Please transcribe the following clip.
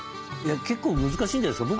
結構難しいんじゃないですか。